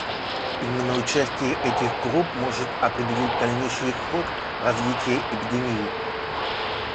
Именно участие этих групп может определить дальнейший ход развития эпидемии.